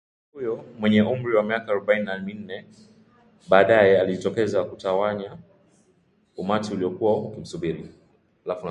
Mgombea huyo mwenye umri wa miaka arobaini na minne, baadae alijitokeza kutawanya umati uliokuwa ukimsubiri